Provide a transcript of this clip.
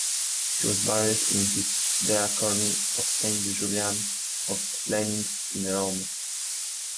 He was buried in his Deaconry of Saint Julian of the Flemings in Rome.